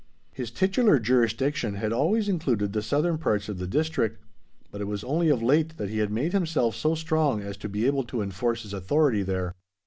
His titular jurisdiction had always included the southern parts of the district. But it was only of late that he had made himself so strong as to be able to enforce his authority there.